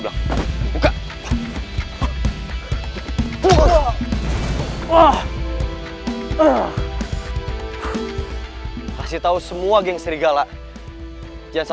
ngampus kali dia